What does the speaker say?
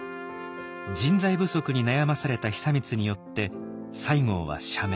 人材不足に悩まされた久光によって西郷は赦免。